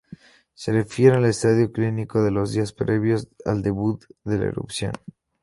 Se refiere al estado clínico de los días previos al debut de la erupción.